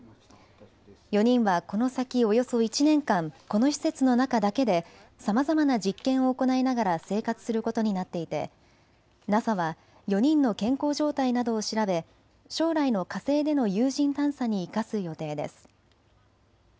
４人はこの先およそ１年間この施設の中だけでさまざまな実験を行いながら生活することになっていてＮＡＳＡは４人の健康状態などを調べ将来の火星での有人探査に生かす予定です。